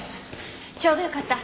ちょうどよかった。